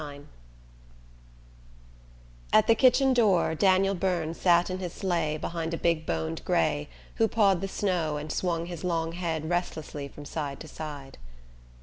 IX At the kitchen door Daniel Byrne sat in his sleigh behind a big boned grey who pawed the snow and swung his long head restlessly from side to side.